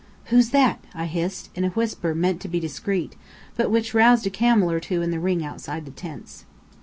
"Who's that?" I hissed, in a whisper meant to be discreet, but which roused a camel or two in the ring outside the tents.